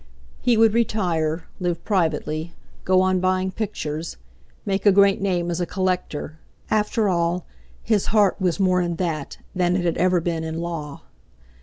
He would retire, live privately, go on buying pictures, make a great name as a collector—after all, his heart was more in that than it had ever been in Law.